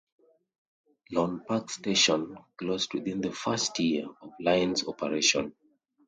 Lorne Park Station closed within the first year of the line's operation.